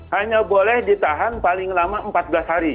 hanya boleh ditahan paling lama empat belas hari